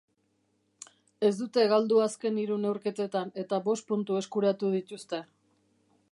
Ez dute galdu azken hiru neurketetan, eta bost puntu eskuratu dituzte.